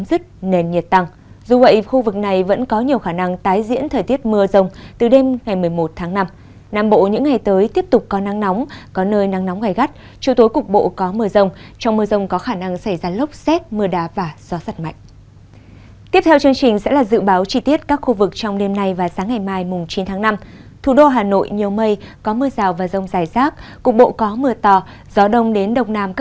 gió đông đến đồng nam cấp hai cấp ba trong mưa rông có khả năng xảy ra lốc xét và gió giật mạnh nhiệt độ từ hai mươi bốn đến ba mươi độ c